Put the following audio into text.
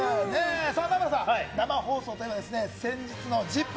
さあ、南原さん、生放送といえば、先日のＺＩＰ！